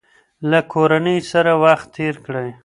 له کورنۍ سره وخت تېر کړئ.